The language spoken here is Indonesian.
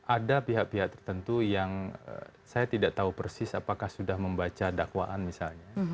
ada pihak pihak tertentu yang saya tidak tahu persis apakah sudah membaca dakwaan misalnya